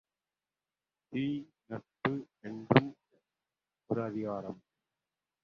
தீ நட்பு என்றும் ஒரு அதிகாரம்!